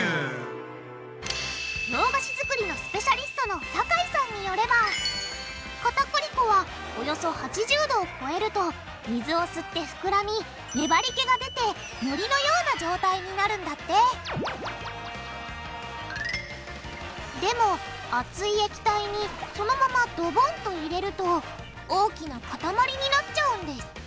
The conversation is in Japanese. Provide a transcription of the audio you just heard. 洋菓子作りのスペシャリストの酒井さんによればかたくり粉はおよそ８０℃を超えると水を吸って膨らみ粘りけが出てのりのような状態になるんだってでも熱い液体にそのままドボンと入れると大きな塊になっちゃうんです！